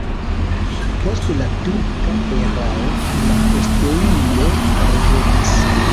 Post la turka erao la posteuloj revenis.